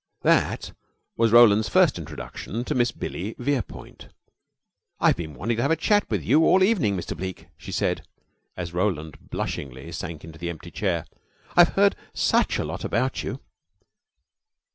That was Roland's first introduction to Miss Billy Verepoint. "I've been wanting to have a chat with you all the evening, Mr. Bleke," she said, as Roland blushingly sank into the empty chair. "I've heard such a lot about you."